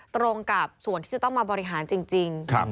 ตรงกับส่วนที่จะต้องมาบริหารจริง